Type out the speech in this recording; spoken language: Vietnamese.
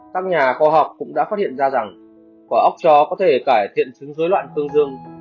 các nhà khoa học cũng đã phát hiện ra rằng quả ốc chó có thể cải thiện chứng dối loạn tương dương